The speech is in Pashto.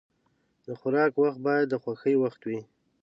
د خوراک وخت باید د خوښۍ وخت وي.